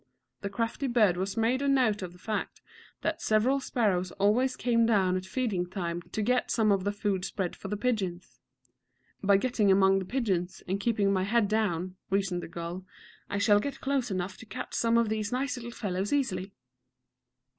The crafty bird had made a note of the fact that several sparrows always came down at feeding time to get some of the food spread for the pigeons. "By getting among the pigeons, and keeping my head down," reasoned the gull, "I shall get close enough to catch some of these nice little fellows easily."